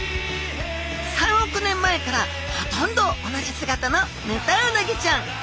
３億年前からほとんど同じ姿のヌタウナギちゃん。